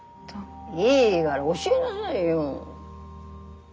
いいがら教えなさいよ。